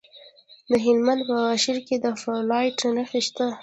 د هلمند په واشیر کې د فلورایټ نښې شته.